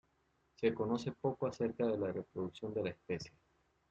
Se conoce poco acerca de la reproducción de la especie.